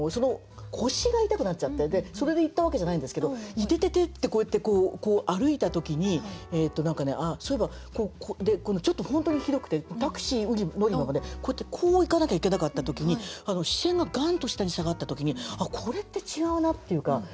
腰が痛くなっちゃってそれで行ったわけじゃないんですけどイテテテってこうやって歩いた時に本当にひどくてタクシー乗り場までこうやってこう行かなきゃいけなかった時に視線がガンと下に下がった時にあっこれって違うなっていうか。